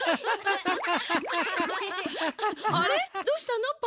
どうしたの？